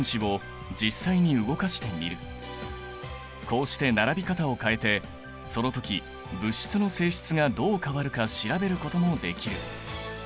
こうして並び方を変えてその時物質の性質がどう変わるか調べることもできる。